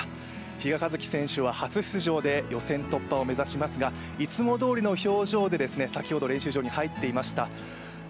比嘉一貴選手は初出場で予選突破を目指しますがいつもどおりの表情で先ほど練習場に入っていました。